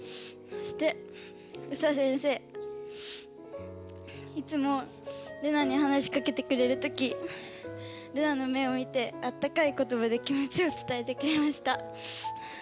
そしてＳＡ先生いつもレナに話しかけてくれるときレナの目を見てあったかい言葉で気持ちを伝えてくれました。